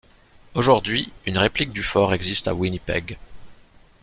Aujourd'hui, une réplique du fort existe à Winnipeg.